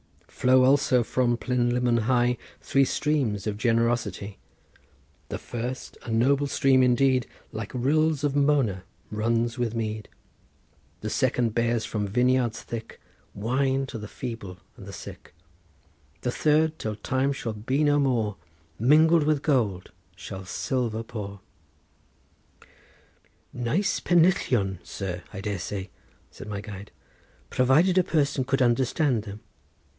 Flow also from Plynlimmon high Three streams of generosity; The first, a noble stream indeed, Like rills of Mona runs with mead; The second bears from vineyards thick Wine to the feeble and the sick; The third, till time shall be no more, Mingled with gold shall silver pour." "Nice pennillion, sir, I dare say," said my guide, "provided a person could understand them.